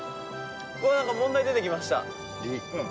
うわっなんか問題出てきました。